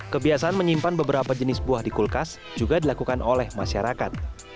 kebiasaan menyimpan beberapa jenis buah di kulkas juga dilakukan oleh masyarakat